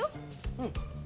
うん。